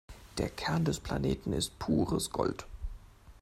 Der Kern des Planeten ist pures Gold.